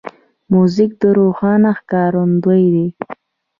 موزیک د روحانه ښکارندوی دی.